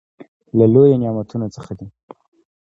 له لويو نعمتونو څخه دى.